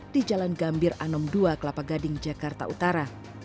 di jalan gambir anom dua kelapa gading jakarta utara